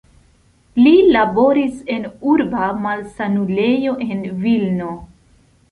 Li laboris en urba malsanulejo en Vilno.